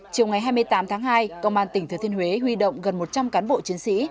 chiều ngày hai mươi tám tháng hai công an tỉnh thừa thiên huế huy động gần một trăm linh cán bộ chiến sĩ